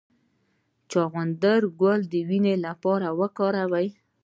د چغندر ګل د وینې لپاره وکاروئ